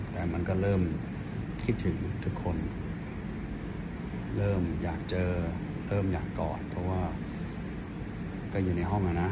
แต่มันก็เริ่มคิดถึงทุกคนเริ่มอยากเจอเริ่มอยากกอดเพราะว่าก็อยู่ในห้องอ่ะนะ